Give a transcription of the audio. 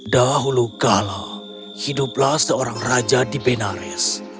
dahulu kala hiduplah seorang raja di binares